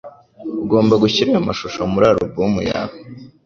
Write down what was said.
Ugomba gushyira ayo mashusho muri alubumu yawe.